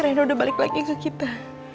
akhirnya udah balik lagi ke kita